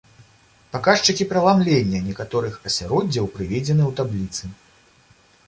Паказчыкі праламлення некаторых асяроддзяў прыведзены ў табліцы.